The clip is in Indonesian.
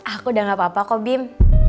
aku udah gak apa apa kok bim